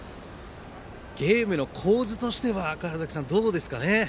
ゲームの構図としては川原崎さん、どうですかね。